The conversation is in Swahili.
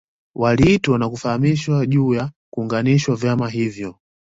Waliitwa na kufahamishwa juu ya kuunganishwa vyama hivyo